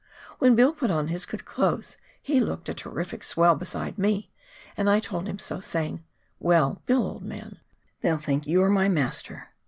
"When Bill put on his good clothes he looked a " terrific swell" beside me, and I told him so, saying, " "Well, Bill, old man, they'll think you are my master."